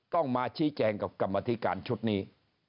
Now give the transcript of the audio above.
ต้องมาชี้แจงกับกรรมธิการชุดนี้